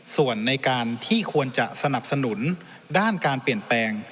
ส่วนในการที่ควรจะสนับสนุนด้านการเปลี่ยนแปลง